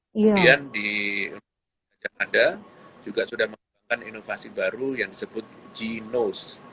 kemudian di indonesia yang ada juga sudah menggunakan inovasi baru yang disebut g nose